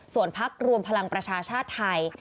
ส่วนพักรวมพลังประชาชาติไทย